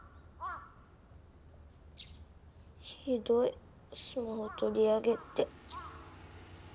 ひどいスマホ取り上げって。